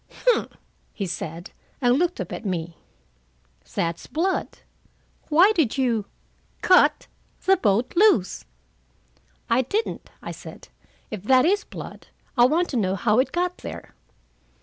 "Humph!" he said, and looked up at me. "That's blood. Why did you cut the boat loose?" "I didn't," I said. "If that is blood, I want to know how it got there.